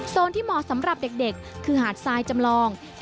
ที่เหมาะสำหรับเด็กคือหาดทรายจำลอง